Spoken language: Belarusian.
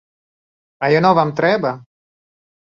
А яно вам трэба?!